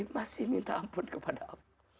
masih minta ampun kepada allah